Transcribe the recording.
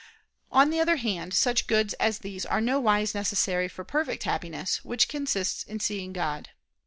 On the other hand, such goods as these are nowise necessary for perfect Happiness, which consists in seeing God.